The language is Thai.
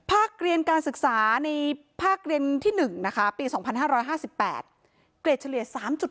เรียนการศึกษาในภาคเรียนที่๑นะคะปี๒๕๕๘เกรดเฉลี่ย๓๗